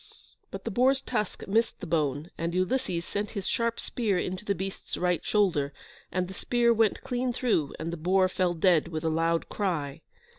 But the boar's tusk missed the bone, and Ulysses sent his sharp spear into the beast's right shoulder, and the spear went clean through, and the boar fell dead, with a loud cry.